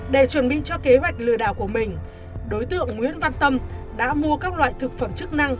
để chuẩn bị cho kế hoạch lừa đảo của mình đối tượng nguyễn văn tâm đã mua các loại thực phẩm chức năng